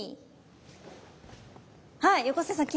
２はい横澤さん